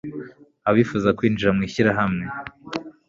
abifuza kwinjira mu ishyirahamwe